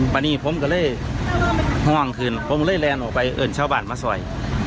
ไม่ได้แรนออกไปเอิญชาวบ้านมาซอย